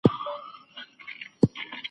بشري حقونه د ټولو لپاره مساوي دي.